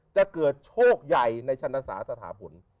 จะเกิดโชคใหญ่ในชันศาสถาผล